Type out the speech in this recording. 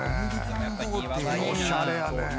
おしゃれやね。